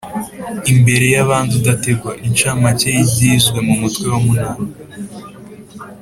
imbere ya bandi udategwa.inshamake y'ibyizwe mu mutwe wa munani